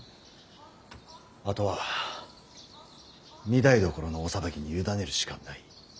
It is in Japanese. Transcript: あとは御台所のお裁きに委ねるしかない。